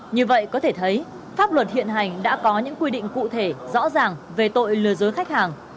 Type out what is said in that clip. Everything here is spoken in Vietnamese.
như vậy có thể thấy pháp luật hiện hành đã có những quy định cụ thể rõ ràng về tội lừa dối khách hàng